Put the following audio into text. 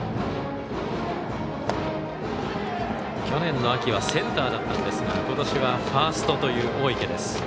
去年の秋はセンターだったんですがことしはファーストという大池です。